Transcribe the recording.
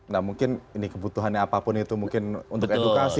nah mungkin ini kebutuhannya apapun itu mungkin untuk edukasi